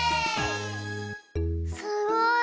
すごい！